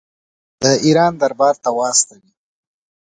د ایران دربار ته واستوي.